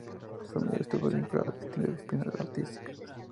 Su familia estuvo vinculada a distintas disciplinas artísticas.